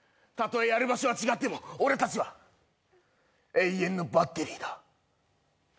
たとえやる場所は違っても俺たちは永遠のバッテリーだ。